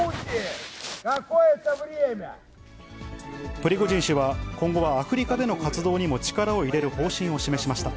プリゴジン氏は、今後はアフリカでの活動にも力を入れる方針を示しました。